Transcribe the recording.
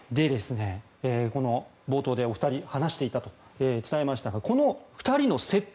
この冒頭でお二人話していたと伝えましたがこの２人の接点